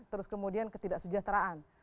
terus kemudian ketidaksejahteraan